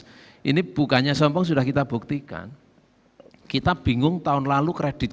jadi bukannya sombong sudah kita buktikan kita bingung tahun lalu kredit